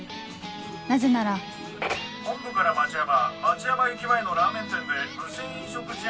なぜなら本部から町山町山駅前のラーメン店で無銭飲食事案